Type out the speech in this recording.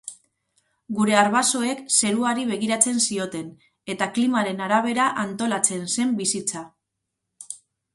Gure arbasoek zeruari begiratzen zioten eta klimaren arabera antolatzen zen bizitza.